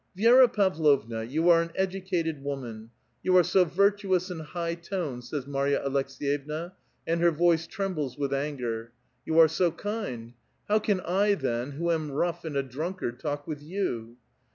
^' Vi^ra Pavlovna, you are an educated woman ; you are so virtuous and high toned," says Marya Aleks^yevna, and her voice trembles with anger; *• you are so kincl; how can 1 then, who am rough and a drunkard, talk with you